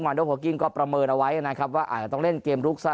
โดโพกิ้งก็ประเมินเอาไว้นะครับว่าอาจจะต้องเล่นเกมลุกซะ